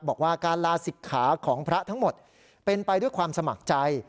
บอกว่าการลาศิกขาของพระทั้งหมดเป็นไปด้วยความสมัครใจ